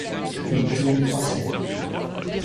Il y tourne trois séries.